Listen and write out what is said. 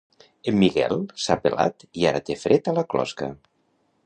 En Miguel s'ha pelat i ara té fred a la closca.